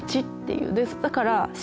だから。